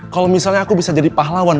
kalau misalnya aku bisa jadi pahlawan